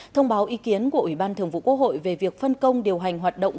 thông báo ý kiến của ủy ban thường vụ quốc hội về việc phân công điều hành hoạt động